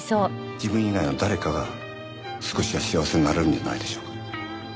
自分以外の誰かが少しは幸せになれるんじゃないでしょうか。